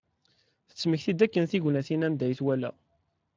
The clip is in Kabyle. Tettmekti-d akken tignatin anda i t-wala.